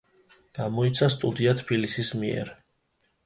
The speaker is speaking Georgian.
გამოიცა სტუდია „თბილისის“ მიერ.